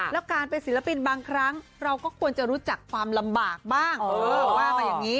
แล้วการเป็นศิลปินบางครั้งเราก็ควรจะรู้จักความลำบากบ้าง